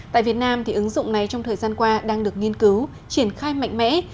tại việt nam ứng dụng này trong thời gian qua đang được nghiên cứu triển khai mạnh mẽ